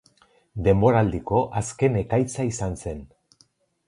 Denboraldiko azken ekaitza izan zen.